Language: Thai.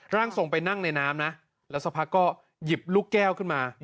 ร่างทรงไปนั่งในน้ำนะแล้วสักพักก็หยิบลูกแก้วขึ้นมา